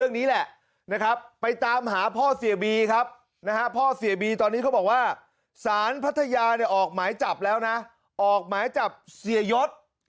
นี่แหละนะครับไปตามหาพ่อเสียบีครับนะฮะพ่อเสียบีตอนนี้เขาบอกว่าสารพัทยาเนี่ยออกหมายจับแล้วนะออกหมายจับเสียยศ